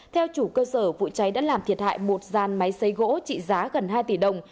theo chủ cơ sở vụ cháy đã làm thiệt hại một dàn máy xây gỗ trị giá gần hai tỷ đồng